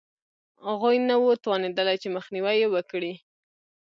غوی نه وو توانېدلي چې مخنیوی یې وکړي